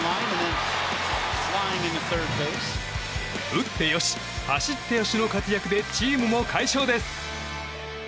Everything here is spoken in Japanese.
打って良し走って良しの活躍でチームも快勝です！